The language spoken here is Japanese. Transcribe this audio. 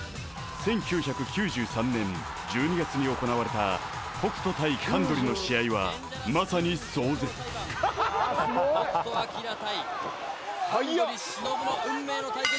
１９９３年１２月に行われた北斗対神取の試合はまさに壮絶北斗晶対神取忍の運命の対決